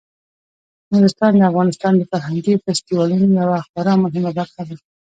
نورستان د افغانستان د فرهنګي فستیوالونو یوه خورا مهمه برخه ده.